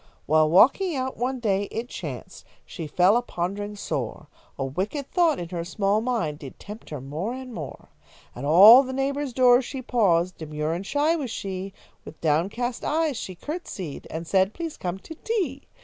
While walking out one day, it chanced She fell a pondering sore. A wicked thought in her small mind Did tempt her more and more. At all the neighbours' doors she paused, Demure and shy was she. With downcast eyes, she courtesied, And said, "_Please come to tea.